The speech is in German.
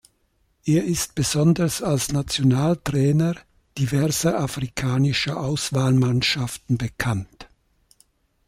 Er ist besonders als Nationaltrainer diverser afrikanischer Auswahlmannschaften bekannt.